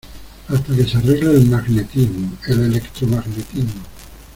hasta que se arregle el magnetismo, el electromagnetismo...